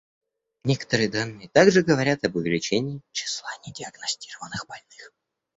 Некоторые данные также говорят об увеличении числа недиагностированных больных.